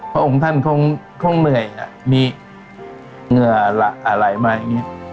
พระองค์ท่านคงเหนื่อยมีเหงื่ออะไรมาอย่างนี้